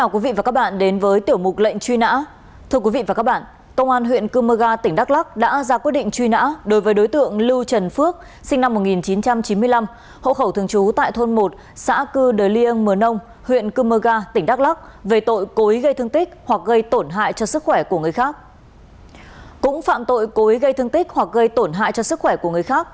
cũng phạm tội cố ý gây thương tích hoặc gây tổn hại cho sức khỏe của người khác